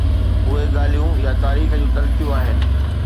اهي ڳالهيون يا تاريخ جون تلخيون آهن.